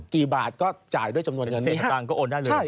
กี่บาทก็จ่ายด้วยจำนวนเงินก็โอนได้เลย